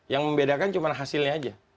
yang membedakan cuma hasilnya aja